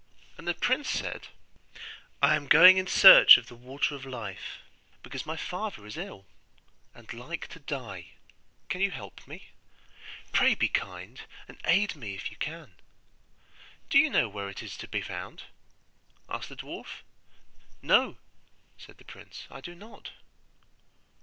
And the prince said, 'I am going in search of the Water of Life, because my father is ill, and like to die: can you help me? Pray be kind, and aid me if you can!' 'Do you know where it is to be found?' asked the dwarf. 'No,' said the prince, 'I do not.